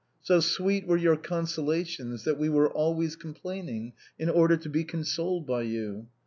So sweet were your consolations that we were always com plaining in order to be consoled by you.